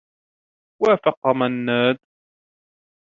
وافق منّاد.